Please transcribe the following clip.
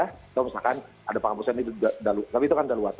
kalau misalkan ada penghentian itu tapi itu kan dah luasnya